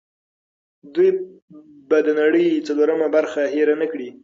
دوی به د نړۍ څلورمه برخه هېر نه کړي.